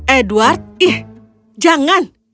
edward ih jangan